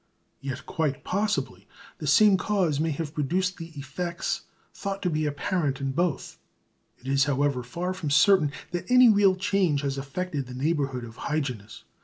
Yet, quite possibly, the same cause may have produced the effects thought to be apparent in both. It is, however, far from certain that any real change has affected the neighbourhood of Hyginus.